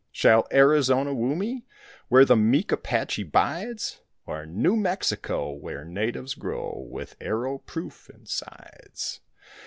Shall Arizona woo me Where the meek Apache bides? Or New Mexico where natives grow With arrow proof insides?